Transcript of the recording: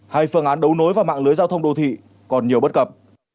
hai phương án đấu nối và mạng lưới giao thông đô thị còn nhiều bất cập